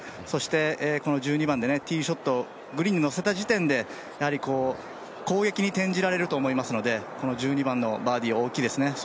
そしてこの１２番でティーショットをグリーンに乗せた時点で攻撃に転じられると思いますので、１２番のバーディーは大きいですね。